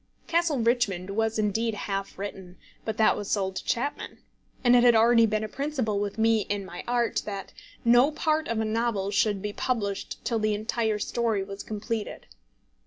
Castle Richmond was indeed half written, but that was sold to Chapman. And it had already been a principle with me in my art, that no part of a novel should be published till the entire story was completed.